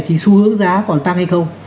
thì xu hướng giá còn tăng hay không